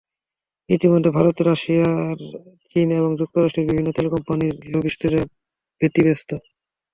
ইতিমধ্যে ভারত, রাশিয়া, চীন এবং যুক্তরাষ্ট্রের বিভিন্ন তেল কোম্পানির লবিস্টরা ব্যতিব্যস্ত।